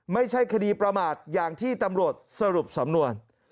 ไม่ใช่คดีประมาทอย่างที่ตำรวจสรุปสำนวน